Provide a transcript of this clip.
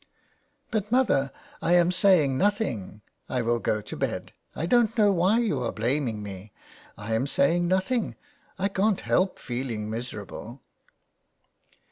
*' But, mother, I am saying nothing ; I will go to bed. I don't know why you are blaming me. I am saying nothing. I can't help feeling miserable."